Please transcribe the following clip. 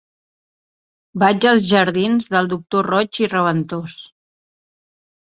Vaig als jardins del Doctor Roig i Raventós.